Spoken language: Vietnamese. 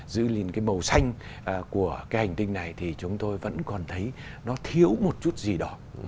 giữ gìn cái màu xanh của cái hành tinh này thì chúng tôi vẫn còn thấy nó thiếu một chút gì đó